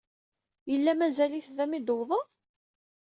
Yella mazal-it da mi d-tewwḍeḍ?